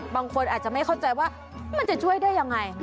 บางคนอาจจะไม่เข้าใจว่ามันจะช่วยได้ยังไง